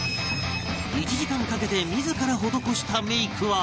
１時間かけて自ら施したメイクは